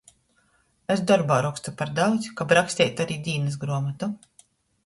Es dorbā rokstu par daudz, kab raksteitu ari dīnysgruomotu.